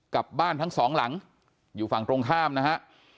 กับบ้านทั้งสองหลังอยู่ฝั่งตรงข้ามนะฮะ